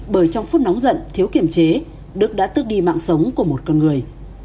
bởi trong phút nóng giận thiếu kiểm chế đức đã tước đi mạng sống của một con người